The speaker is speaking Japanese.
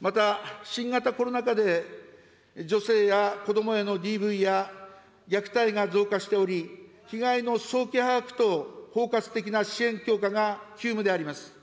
また、新型コロナ禍で女性や子どもへのＤＶや虐待が増加しており、被害の早期把握と包括的な支援強化が急務であります。